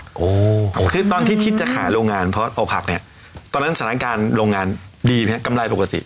คือคือตอนที่คิดจะขาโรงงานเพราะอกผัพเนี่ยตอนนั้นสถานการณ์โรงงานดีไหมครับกำลังได้ปกติ